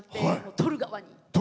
とる側に！